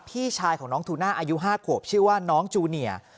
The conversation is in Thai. พี่ชายของน้องทูน่าอายุ๕ขวบชื่อว่าน้องจูเนีย